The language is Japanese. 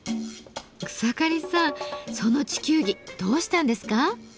草刈さんその地球儀どうしたんですか？